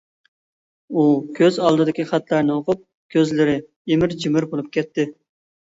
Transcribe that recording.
ئۇ كۆز ئالدىدىكى خەتلەرنى ئوقۇپ، كۆزلىرى ئىمىر-چىمىر بولۇپ كەتتى.